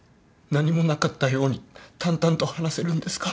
何もなかったように淡々と話せるんですか？